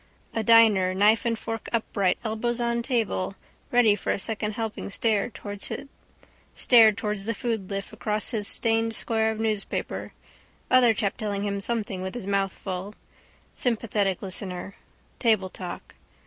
A diner, knife and fork upright, elbows on table, ready for a second helping stared towards the foodlift across his stained square of newspaper. Other chap telling him something with his mouth full. Sympathetic listener. Table talk.